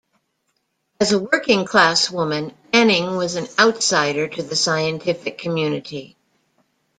As a working-class woman, Anning was an outsider to the scientific community.